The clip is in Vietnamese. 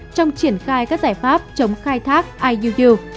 trong triển khai các giải pháp chống khai thác iuu